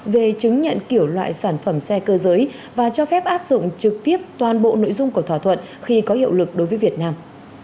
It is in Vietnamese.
về chứng nhận kiểu loại sản phẩm xe cơ giới và cho phép áp dụng trực tiếp toàn bộ nội dung của thỏa thuận khi có hiệu lực đối với việt nam